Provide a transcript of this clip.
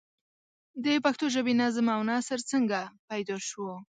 د پښتو ژبې نظم او نثر څنگه پيدا شو؟